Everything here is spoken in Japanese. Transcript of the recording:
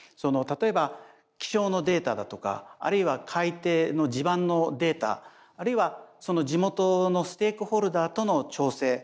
例えば気象のデータだとかあるいは海底の地盤のデータあるいはその地元のステークホルダーとの調整